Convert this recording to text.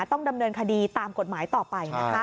ต้องดำเนินคดีตามกฎหมายต่อไปนะคะ